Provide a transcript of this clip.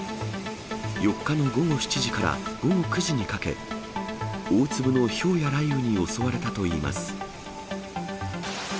４日の午後７時から午後９時にかけ、大粒のひょうや雷雨に襲われたといいます。